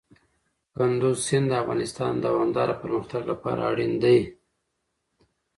کندز سیند د افغانستان د دوامداره پرمختګ لپاره اړین دي.